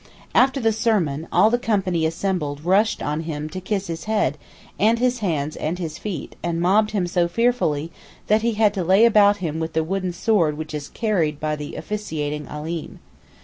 After the sermon, all the company assembled rushed on him to kiss his head, and his hands and his feet, and mobbed him so fearfully that he had to lay about him with the wooden sword which is carried by the officiating Alim.